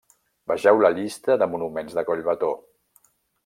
Vegeu la llista de monuments de Collbató.